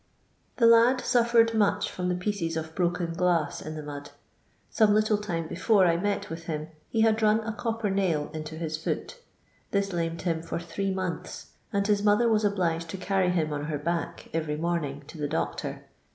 The lad suffered much from the pieces of broken glass in the mud. Some little time before I met with him he had run a copper nail into his foot This lamed him fur thiee months, and his mother was obliged to carry him on hnr back every morn ing to the doctor.